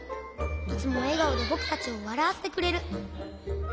いつもえがおでぼくたちをわらわせてくれる。